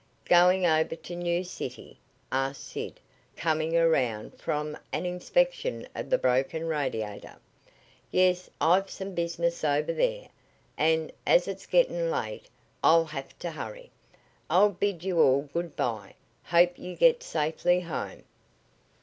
"Going over to New City?" asked Sid, coming around from an inspection of the broken radiator. "Yes; I've some business over there, and as it's getting late I'll have to hurry. I'll bid you all good by. Hope you get safely home."